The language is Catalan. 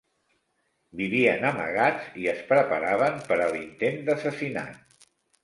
Vivien amagats i es preparaven per a l'intent d'assassinat.